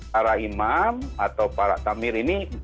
para imam atau para tamir ini